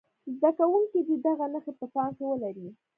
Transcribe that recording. زده کوونکي دې دغه نښې په پام کې ولري.